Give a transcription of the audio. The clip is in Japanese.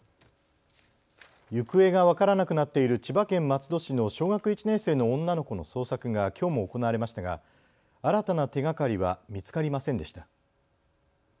行方が分からなくなっている千葉県松戸市の小学１年生の女の子の捜索がきょうも行われましたが新たな手がかりは見つかりませんでした。